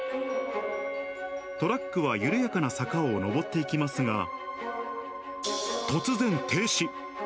トラックは緩やかな坂を上っていきますが、突然、停止。